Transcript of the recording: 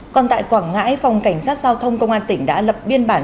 còn tại quảng ngãi phòng cảnh sát giao thông công an tỉnh đã lập biên bản